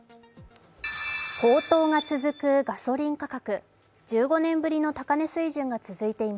高騰が続くガソリン価格。